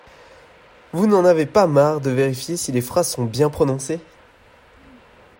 Vous n'en avez pas marre de vérifier si les phrases sont bien prononcées?